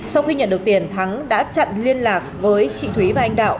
sau khi nhận được tiền thắng đã chặn liên lạc với chị thúy và anh đạo